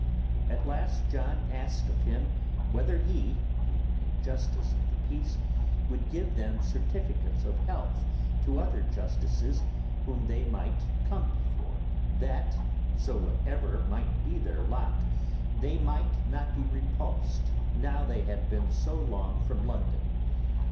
At last John asked of him whether he, being a justice of the peace, would give them certificates of health to other justices whom they might come before; that so whatever might be their lot, they might not be repulsed now they had been also so long from London.